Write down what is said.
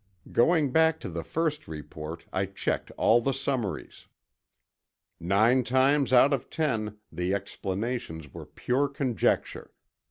Going back to the first report, I checked all the summaries. Nine times out of ten, the explanations were pure conjecture.